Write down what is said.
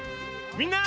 みんな！